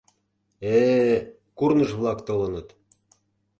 Э-э, курныж-влак толыныт.